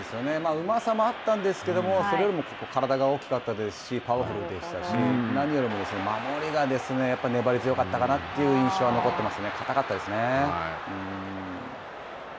うまさもあったんですけれども、それよりも、体が大きかったし、パワフルでしたし、何よりも守りがですね、やっぱり粘り強かったかなという印象が残ってますね。